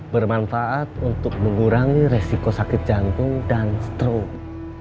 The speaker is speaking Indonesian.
bermanfaat untuk mengurangi resiko sakit jantung dan stroke